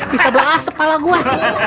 bisa beras kepala gue